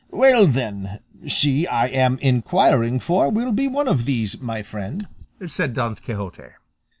"Well, then, she I am inquiring for will be one of these, my friend," said Don Quixote.